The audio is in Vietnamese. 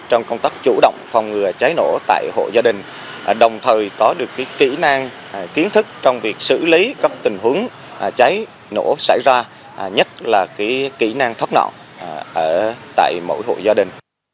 trong công tác chủ động phòng cháy nổ tại hộ gia đình đồng thời có được kỹ năng kiến thức trong việc xử lý các tình huống cháy nổ xảy ra nhất là kỹ năng thoát nạn